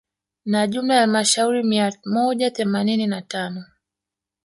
Na jumla ya halmashauri mia moja themanini na tano